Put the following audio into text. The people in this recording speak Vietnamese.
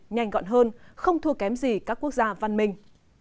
nhanh gọn hơn không thua kém gì các quốc gia văn minh